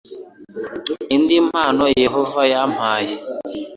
INDI MPANO YEHOVA YAMPAYE